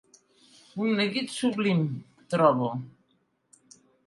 Un neguit sublim, trobo.